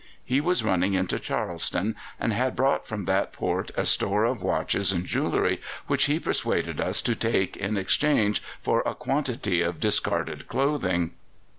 He was running into Charleston, and had brought from that port a store of watches and jewellery, which he persuaded us to take in exchange for a quantity of discarded clothing.